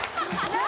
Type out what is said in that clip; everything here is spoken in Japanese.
何？